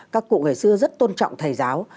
các cụ ngày xưa rất tôn trọng thầy giáo